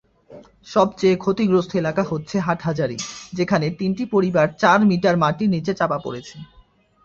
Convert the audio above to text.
সবচেয়ে ক্ষতিগ্রস্ত এলাকা হচ্ছে হাটহাজারী, যেখানে তিনটি পরিবার চার মিটার মাটির নিচে চাপা পড়েছে।